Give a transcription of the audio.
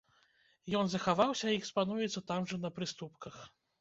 Ён захаваўся і экспануецца там жа на прыступках.